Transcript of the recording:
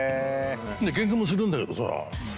ケンカもするんだけどさ